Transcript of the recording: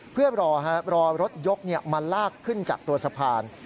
เพื่อรอรถยกมาลากขึ้นจากตัวสะพาน